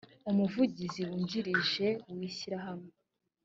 umuvugizi wungirije w’ishyirahamwe